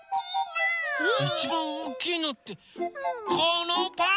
いちばんおおきいのってこのパン？